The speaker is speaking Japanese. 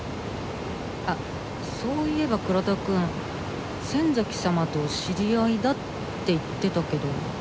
あっそういえば倉田くん仙崎様と知り合いだって言ってたけど。